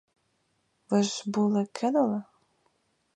Ви ж були кинули?